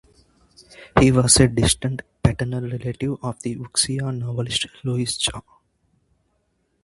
He was a distant paternal relative of the wuxia novelist Louis Cha.